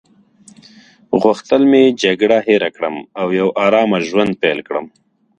غوښتل مې جګړه هیره کړم او یو آرامه ژوند پیل کړم.